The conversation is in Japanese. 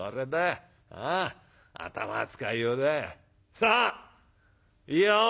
さあいいよ。